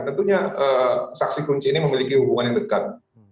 tentunya saksi kunci ini memiliki hubungan yang dekat